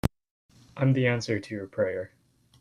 I'm the answer to your prayer.